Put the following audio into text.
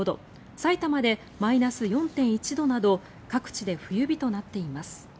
さいたまでマイナス４．１度など各地で冬日となっています。